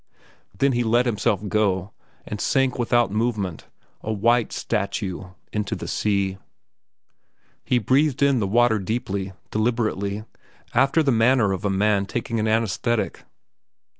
Then he let himself go and sank without movement, a white statue, into the sea. He breathed in the water deeply, deliberately, after the manner of a man taking an anaesthetic.